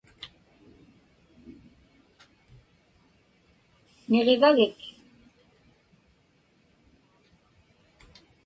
Niġivagik?